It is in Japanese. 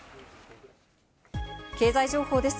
経済情報です。